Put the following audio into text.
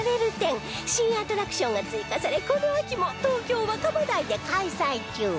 新アトラクションが追加されこの秋も東京若葉台で開催中